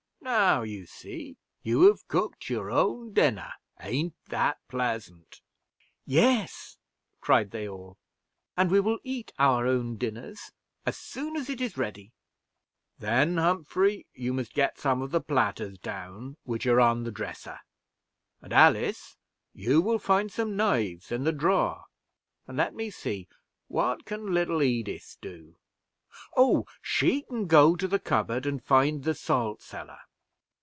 Now you see, you have cooked your own dinner; ain't that pleasant?" "Yes," cried they all; "and we will eat our own dinners as soon as it is ready." "Then, Humphrey, you must get some of the platters down which are on the drawer; and, Alice, you will find some knives in the drawer. And let me see, what can little Edith do? Oh, she can go to the cupboard and find the salt cellar.